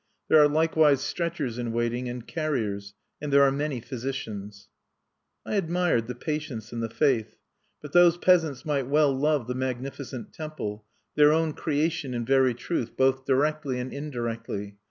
There are likewise stretchers in waiting, and carriers. And there are many physicians." I admired the patience and the faith. But those peasants might well love the magnificent temple, their own creation in very truth, both directly and indirectly.